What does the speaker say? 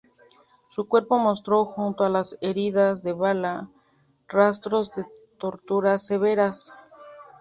Su cuerpo mostró, junto a las heridas de bala, rastros de torturas severas.